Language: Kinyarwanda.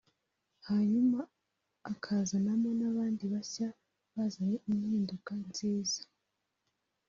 hanyuma akazanamo n’abandi bashya bazanye impinduka nziza